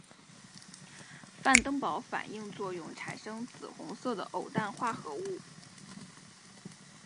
范登堡反应作用产生紫红色的偶氮化合物。